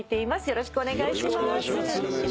よろしくお願いします。